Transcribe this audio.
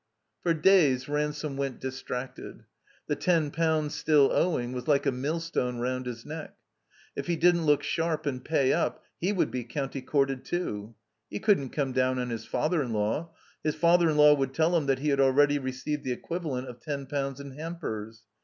w For days Ransome went distracted. The ten pounds stiU owing was like a millstone round his neck. If he didn't look sharp and pay up he would be County Courted too. He couldn't come down on his father in law. His father in law would tell him that he had already received the equivalent of ten pounds in hampers.